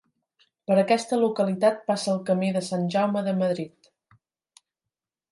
Per aquesta localitat passa el Camí de Sant Jaume de Madrid.